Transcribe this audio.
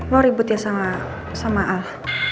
lo ribut ya sama al